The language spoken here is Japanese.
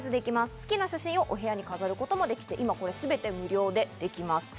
好きな写真をお部屋に飾ることもできて、すべて無料でできます。